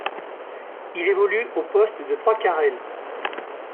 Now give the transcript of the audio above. Il évolue au poste de trois quart aile.